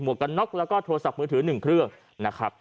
หมวกกระน็อกแล้วก็โทรศัพท์มือถือ๑เครื่อง